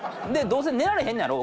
どうせ寝られへんのやろ？